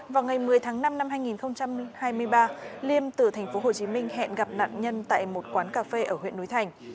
vào ngày một mươi tháng năm năm hai nghìn hai mươi ba liêm từ tp hcm hẹn gặp nạn nhân tại một quán cà phê ở huyện núi thành